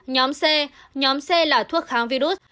nhóm c nhóm c là thuốc kháng virus